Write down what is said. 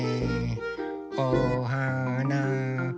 おはな。